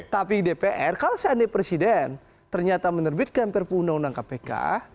tapi dpr kalau seandai presiden ternyata menerbitkan perpu undang undang kpk